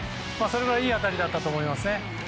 それぐらいいい当たりだったと思います。